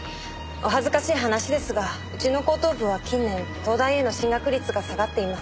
お恥ずかしい話ですがうちの高等部は近年東大への進学率が下がっています。